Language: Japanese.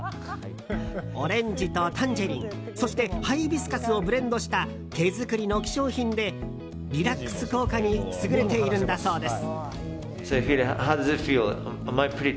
オレンジとタンジェリンそして、ハイビスカスをブレンドした手作りの希少品でリラックス効果に優れているんだそうです。